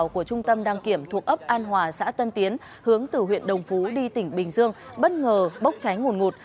của trung tâm đăng kiểm thuộc ấp an hòa xã tân tiến hướng từ huyện đồng phú đi tỉnh bình dương bất ngờ bốc cháy nguồn ngột